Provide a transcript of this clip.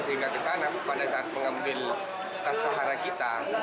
sehingga pada saat mengambil tas sahara kita